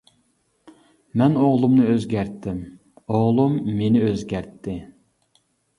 مەن ئوغلۇمنى ئۆزگەرتتىم، ئوغلۇم مېنى ئۆزگەرتتى.